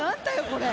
これ。